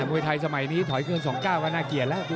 มวยไทยสมัยนี้ถอยเกิน๒๙ก็น่าเกลียดแล้ว